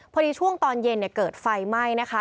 พอดีช่วงตอนเย็นเนี่ยเกิดไฟไหม้นะคะ